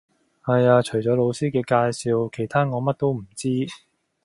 係呀，除咗老師嘅介紹，其他我乜都唔知